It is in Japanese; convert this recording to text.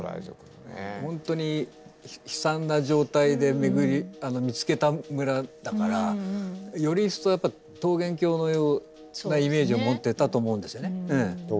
ほんとに悲惨な状態で巡り見つけた村だからよりいっそう桃源郷のようなイメージを持ってたと思うんですよね。